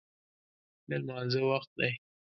د لمانځه وخت دی